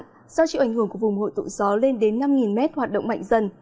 do chịu ảnh hưởng của vùng hội tụ gió lên đến năm m hoạt động mạnh dần